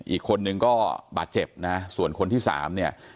อีกคนนึงก็บาดเจ็บนะส่วนคนที่สามเนี่ย